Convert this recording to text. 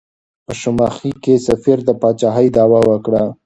په شماخي کې سفیر د پاچاهۍ دعوه وکړه.